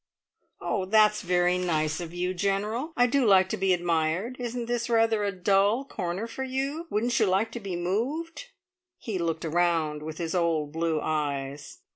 "That's very nice of you, General! I do like to be admired. Isn't this rather a dull corner for you? Wouldn't you like to be moved?" He looked around with his old, blue eyes.